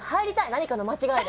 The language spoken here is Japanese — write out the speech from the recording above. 何かの間違いで。